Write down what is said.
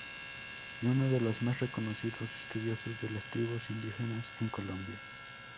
Y uno de los más reconocidos estudiosos de las tribus indígenas en Colombia.